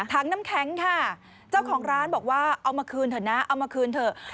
ถังน้ำแข็งค่ะเจ้าของร้านบอกว่าเอามาคืนเถอะนะเอามาคืนเถอะ